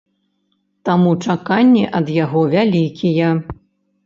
Таму чаканні ад яго вялікія.